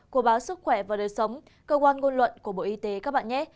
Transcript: của báo sức khỏe và đời sống cơ quan ngôn luận của bộ y tế các bạn nhé